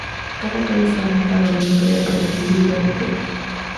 Cada cable estaba fijado a un bloque de anclaje individual en tierra.